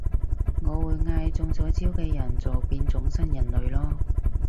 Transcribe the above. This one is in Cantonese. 我會嗌中咗招嘅人做變種新人類囉